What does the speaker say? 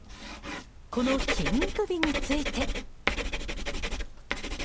この筋肉美について。